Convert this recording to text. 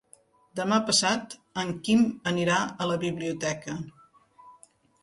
Demà passat en Quim anirà a la biblioteca.